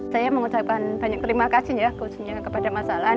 saya mengucapkan banyak terima kasih ya khususnya kepada mas alan